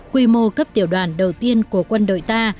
quy mô cấp tiểu đoàn đầu tiên của quân đội ta